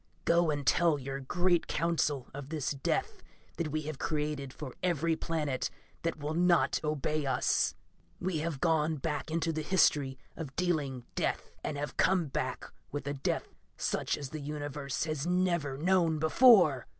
Go and tell your great Council of this death that we have created for every planet that will not obey us. "We have gone back into the history of dealing death and have come back with a death such as the Universe has never known before!